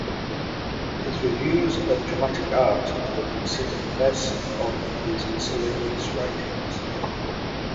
His reviews of dramatic art were considered the best of these miscellaneous writings.